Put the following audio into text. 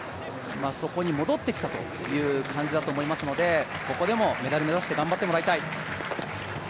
そこに戻ってきたという感じだと思いますので、ここでもメダルを目指して頑張ってもらいたい。